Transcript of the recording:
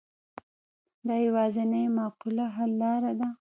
دا یوازینۍ معقوله حل لاره ده.